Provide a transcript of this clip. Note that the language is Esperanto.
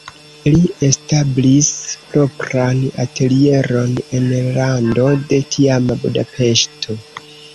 Li establis propran atelieron en rando de tiama Budapeŝto.